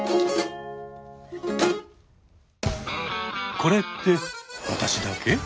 「これって私だけ？」。